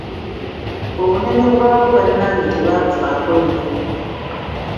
Obunene bwagwo bannange tebaabufaako nnyo.